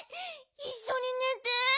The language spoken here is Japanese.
いっしょにねて。